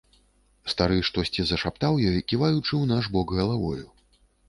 Стары штосьці зашаптаў ёй, ківаючы ў наш бок галавою.